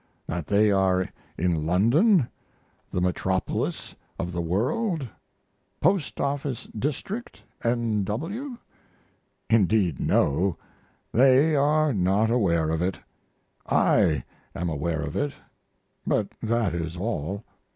That they are in London, the metropolis of the world, Post office District, N. W.? Indeed no. They are not aware of it. I am aware of it, but that is all.